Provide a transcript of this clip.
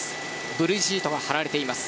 ブルーシートが張られています。